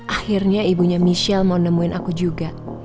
akhirnya ibunya michelle mau nemuin aku juga